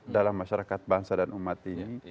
dalam masyarakat bangsa dan umat ini